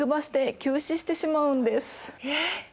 えっ！